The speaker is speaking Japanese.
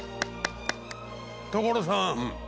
所さん！